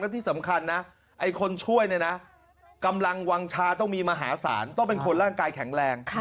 ที่สำคัญนะไอ้คนช่วยเนี่ยนะกำลังวางชาต้องมีมหาศาลต้องเป็นคนร่างกายแข็งแรง